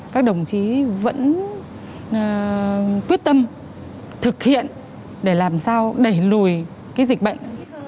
các đồng chí vẫn quyết tâm thực hiện để làm sao đẩy lùi dịch bệnh